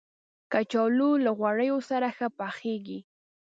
کچالو له غوړیو سره ښه پخیږي